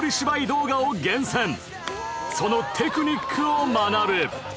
そのテクニックを学ぶ